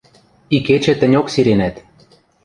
Икечӹ тӹньок сиренӓт...